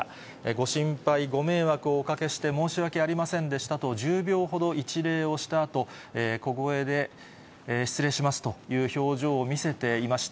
ご心配、ご迷惑をおかけして申し訳ありませんでしたと１０秒ほど一礼をしたあと、小声で、失礼しますという表情を見せていました。